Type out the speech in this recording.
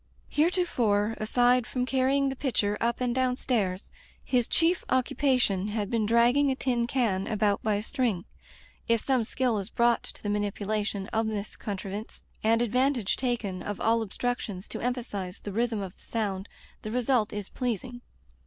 Heretofore, aside from carrying the pitcher up and down stairs, his chief occupation had been dragging a tin can about by a string. (If some skill is brought to the manipulation Digitized by LjOOQ IC A Tempered Wind of this contrivance, and advantage taken of all obstructions to emphasize the rhythm of the sound, the result is pleasing.)